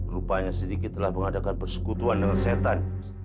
rupanya sedikit telah mengadakan persekutuan dengan setan